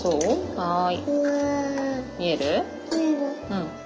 はい。